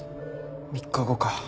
３日後か。